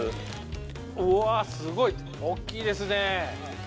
Δ錙すごい大っきいですね。